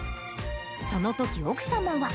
そのとき、奥様は。